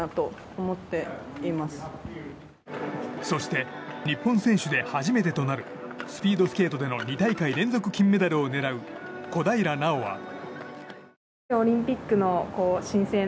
そして、日本選手で初めてとなるスピードスケートでの２大会連続金メダルを狙う小平奈緒は。